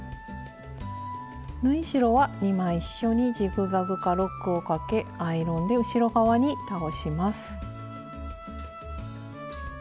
縫い代は２枚一緒にジグザグかロックをかけアイロンで後ろ側に倒します。